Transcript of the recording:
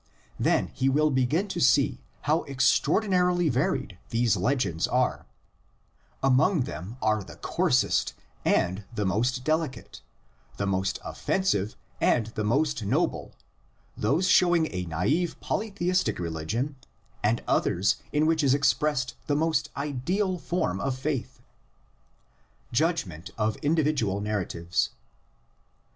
Then he will begin to see how extraordinarily varied these legends are; among them are the coarsest and the most delicate, the most offensive and the most noble, those showing a naive, polytheistic religion, and others in which is expressed the most ideal form of faith. JUDGMENT OF INDIVIDUAL NARRATIVES.